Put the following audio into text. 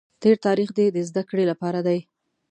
تېر تاریخ دې د زده کړې لپاره دی.